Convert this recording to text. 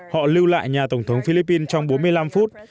họ lưu lại nhà tổng thống philippines trong bốn mươi năm phút